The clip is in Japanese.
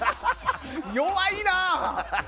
弱いな！